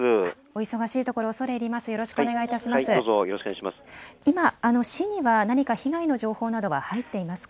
お忙しいところ恐れ入ります。